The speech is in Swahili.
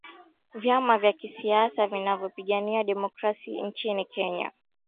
vyama vya kisiasa vinavyo pigania demokrasi nchini kenya